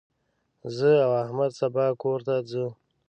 زه او احمد سبا کور ته ځو.